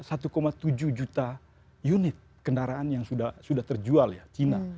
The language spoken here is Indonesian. ada satu tujuh juta unit kendaraan yang sudah terjual ya cina